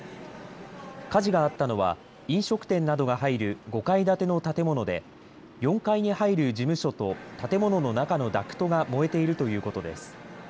火事があったのは飲食店などが入る５階建ての建物で４階に入る事務所と建物の中のダクトが燃えているということです。